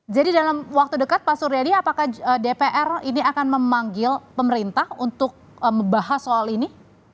jadi dalam waktu dekat pak suriadi apakah dpr ini akan memanggil pemerintah untuk membahas soal ini